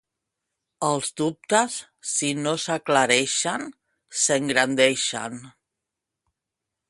Els dubtes, si no s'aclareixen, s'engrandeixen.